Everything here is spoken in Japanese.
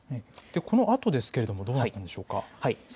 このあとですけれどもどうなるでしょうか。